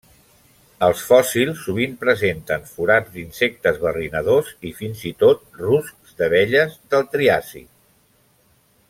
Els fòssils sovint presenten forats d'insectes barrinadors i fins i tot ruscs d'abelles del Triàsic.